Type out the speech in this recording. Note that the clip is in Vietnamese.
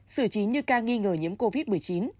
xử trí như ca nghi ngờ nhiễm covid một mươi chín